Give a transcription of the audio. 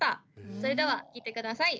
それでは聴いて下さい。